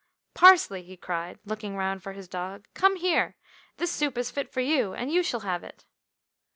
"Parsley!" he cried, looking round for his dog, "come here! This soup is fit for you, and you shall have it."